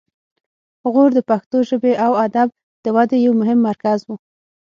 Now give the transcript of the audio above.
غور د پښتو ژبې او ادب د ودې یو مهم مرکز و